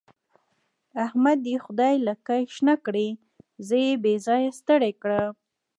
د احمد دې خدای لکۍ شنه کړي؛ زه يې بې ځايه ستړی کړم.